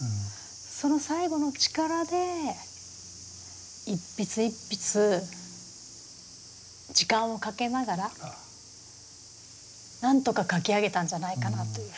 その最後の力で一筆一筆時間をかけながらなんとか書き上げたんじゃないかなというふうに。